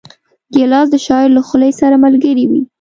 ګیلاس د شاعر له خولې سره ملګری وي.